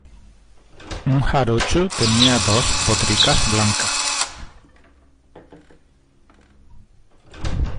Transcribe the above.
un jarocho tenía dos potricas blancas.